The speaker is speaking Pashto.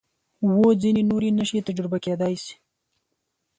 و ځینې نورې نښې تجربه کېدای شي.